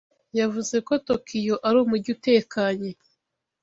Yavuze ko Tokiyo ari umujyi utekanye.